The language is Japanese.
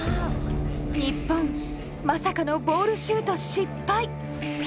日本まさかのボールシュート失敗！